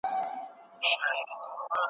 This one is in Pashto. پلان جوړونه د راتلونکي لپاره لاره جوړوي.